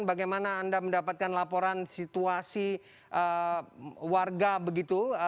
bagaimana anda mendapatkan laporan situasi warga begitu